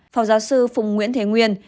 phòng giáo sư phùng nguyễn thế nguyên